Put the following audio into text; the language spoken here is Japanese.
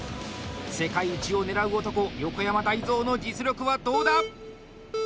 世界一を狙う男横山大蔵の実力はどうだ？